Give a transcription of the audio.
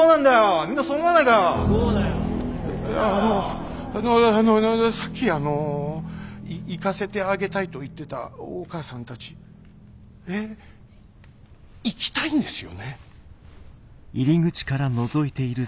ああのあのあのさっきあの行かせてあげたいと言ってたお母さんたちえ？行きたいんですよね？